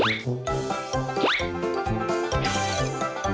สถานศึกษาต่างเขาก็เด็กน้อยมาออกกำลังกายกลางแจ้ง